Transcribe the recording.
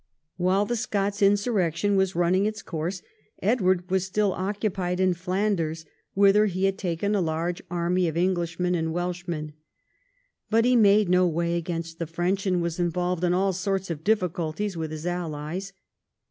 While the Scots insurrection was running its course, EdAvard was still occupied in Flanders, whither he had taken a large army of Englishmen and Welshmen. But he made no way against the French, and was involved in all sorts of difficulties with his allies.